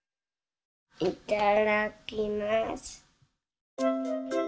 いただきます。